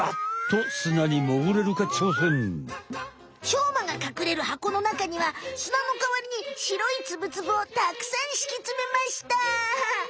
しょうまがかくれるはこの中には砂のかわりにしろいツブツブをたくさんしきつめました。